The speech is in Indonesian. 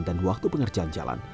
dan waktu pengerjaan jalan